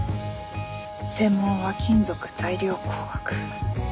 専門は金属材料工学。